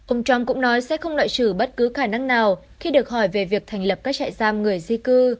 ông trump cũng nói sẽ không loại trừ bất cứ khả năng nào khi được hỏi về việc thành lập các trại giam người di cư